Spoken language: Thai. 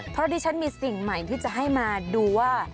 เพราะดิฉันมีสิ่งใหม่ที่จะให้มาดูว่า